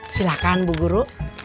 silakan bu guru